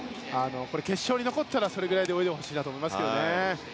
決勝に残ったらそれぐらいで泳いでほしいですね。